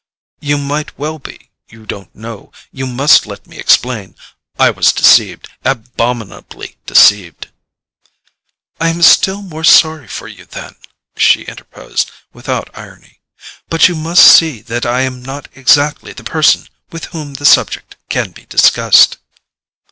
"You might well be; you don't know—you must let me explain. I was deceived: abominably deceived——" "I am still more sorry for you, then," she interposed, without irony; "but you must see that I am not exactly the person with whom the subject can be discussed."